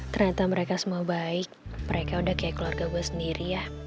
ternyata mereka semua baik mereka udah kayak keluarga gue sendiri ya